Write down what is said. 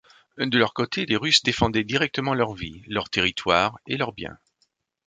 De leur côté, les Russes défendait directement leurs vies, leur territoire et leurs biens.